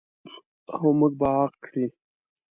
او موږ به عاق کړي.